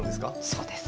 そうです。